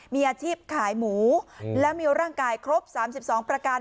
มีอาชีพขายหมูแล้วมีร่างกายครบ๓๒ประการ